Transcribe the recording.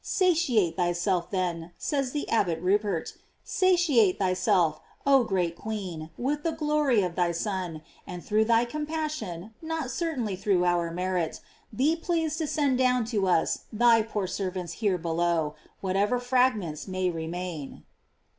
f Satiate thyself, then, says the Abbot Rupert, satiate thyself, oh great queen, with the glory of thy Son, and through thy compassion, not certainly through our merit, be pleased to send down to us, thy poor ser vants here below, whatever fragments may re main.